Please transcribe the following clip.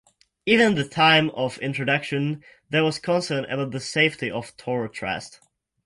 Even at the time of introduction, there was concern about the safety of Thorotrast.